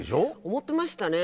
思ってましたね。